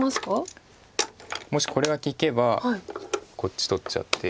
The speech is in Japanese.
もしこれが利けばこっち取っちゃって。